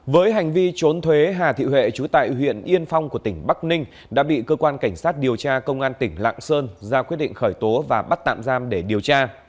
với hành vi trốn thuế hà thị huệ chú tại huyện yên phong của tỉnh bắc ninh đã bị cơ quan cảnh sát điều tra công an tỉnh lạng sơn ra quyết định khởi tố và bắt tạm giam để điều tra